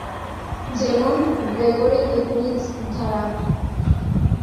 যেমন গ্রেগরি-লিবনিৎজ ধারা।